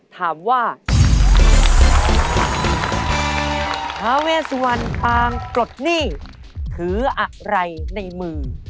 ถามว่าทาเวสวรรณปางปลดหนี้ถืออะไรในมือ